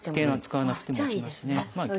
使わなくても落ちますね。